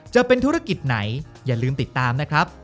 จะเป็นธุรกิจไหนอย่าลืมติดตามนะครับ